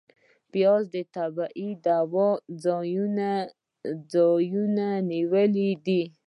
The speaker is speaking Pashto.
پیاز د طبعي دوا ځای نیولی دی